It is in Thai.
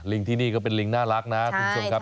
ที่นี่ก็เป็นลิงน่ารักนะคุณผู้ชมครับ